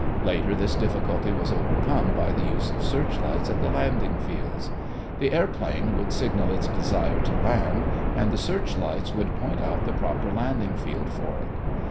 Later this difficulty was overcome by the use of search lights at the landing fields. The airplane would signal its desire to land and the search lights would point out the proper landing field for it.